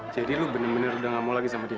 jadi lu bener bener udah ga mau lagi sama dia